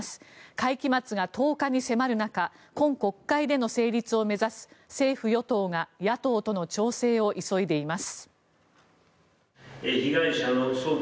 会期末が１０日に迫る中今国会での成立を目指す政府・与党が野党との調整を急いでいます。